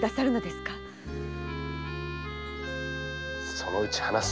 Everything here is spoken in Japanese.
そのうち話す。